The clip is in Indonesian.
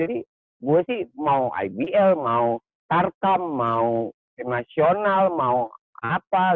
jadi gue sih mau ibl mau tarkam mau internasional mau apa